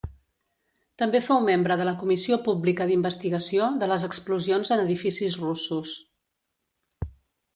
També fou membre de la comissió pública d'investigació de les explosions en edificis russos.